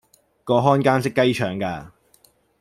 個看更識雞腸㗎